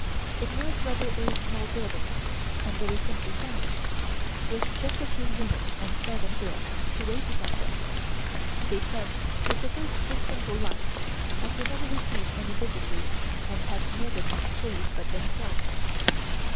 It was rather a small building, and very simply furnished, with just a few eunuchs and servant girls to wait upon them. They said they preferred this simple life, as they never received any visitors and had nobody to please but themselves.